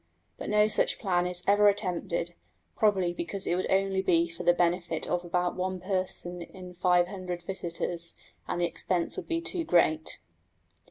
But no such plan is ever attempted, probably because it would only be for the benefit of about one person in five hundred visitors, and the expense would be too great.